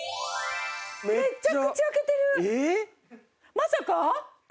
まさか。